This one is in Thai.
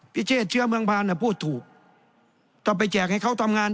พิเศษเชื้อเมืองพานพูดถูกถ้าไปแจกให้เขาทำงาน